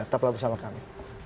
tepuk tangan bersama kami